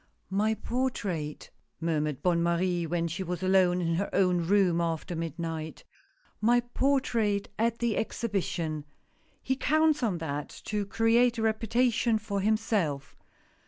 "My portrait," murmured Bonne Marie, when she was alone in her own room after midnight. " My portrait at the Exhibition. He counts on that to create a reputation for himself.